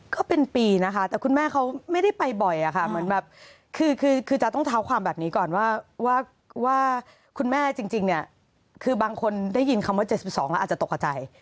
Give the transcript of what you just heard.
ก็เป็นปีนะคะแต่คุณแม่เขาไม่ได้ไปบ่อยอะค่ะเหมือนแบบคือจะต้องเท้าความแบบนี้ก่อนว่าคุณแม่จริงเนี่ยคือบางคนได้ยินคำว่า๗๒แล้วอาจจะตกกระใจ